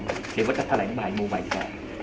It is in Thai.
เห็นว่าจะแถลงบ่ายโมงบ่ายก่อน